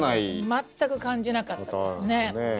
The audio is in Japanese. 全く感じなかったですね。